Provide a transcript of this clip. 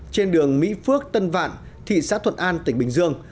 trên đường mỹ phước tân vạn thị xã thuận an tỉnh bình dương